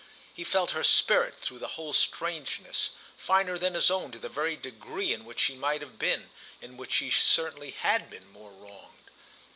He felt her spirit, through the whole strangeness, finer than his own to the very degree in which she might have been, in which she certainly had been, more wronged.